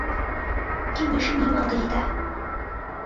你们是迷惘的一代。